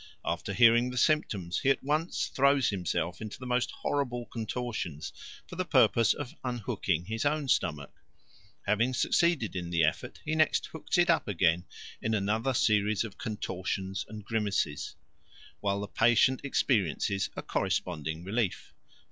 After hearing the symptoms he at once throws himself into the most horrible contortions, for the purpose of unhooking his own stomach. Having succeeded in the effort, he next hooks it up again in another series of contortions and grimaces, while the patient experiences a corresponding relief.